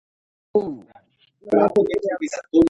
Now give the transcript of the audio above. Jarinu